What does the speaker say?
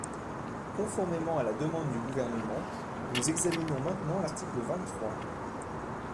Conformément à la demande du Gouvernement, nous examinons maintenant l’article vingt-trois.